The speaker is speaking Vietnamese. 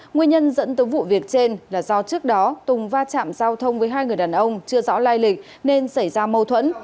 nguyên nhân dẫn tới vụ việc trên là do trước đó tùng va chạm giao thông với hai người đàn ông chưa rõ lai lịch nên xảy ra mâu thuẫn